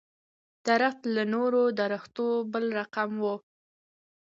درخت له نورو درختو بل رقم و.